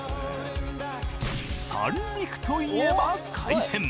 三陸といえば海鮮！